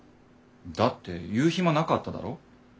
だって言う暇なかっただろ？